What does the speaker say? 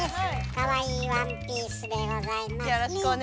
かわいいワンピースでございますね。